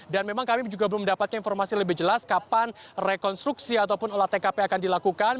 dan memang kami juga belum mendapatkan informasi lebih jelas kapan rekonstruksi ataupun olah tkp akan dilakukan